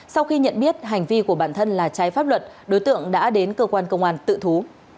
sau khi nhận biết hành vi của bản thân là trái pháp luật đối tượng đã đến cơ quan công an tự thú